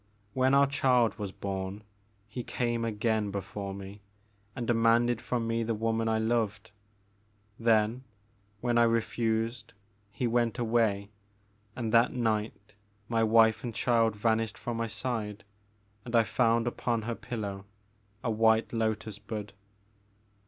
When our child was bom, he came again before me and demanded from me the woman I loved. Then, when I re fused, he went away, and that night my wife and child vanished from my side, and I found upon her pillow a white lotus bud.